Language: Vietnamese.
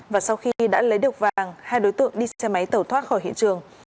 và sau khi đã lấy được vàng hai đối tượng đi xe máy tẩu thoát khỏi hiện trường